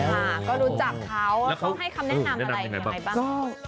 ได้รู้จักเขาเขาให้คำแนะนำอะไรอย่างไรบ้าง